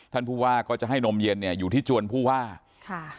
ท่านผู้ว่าก็จะให้นมเย็นเนี่ยอยู่ที่จวนผู้ว่าค่ะ